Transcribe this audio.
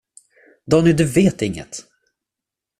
Donny, du vet inget!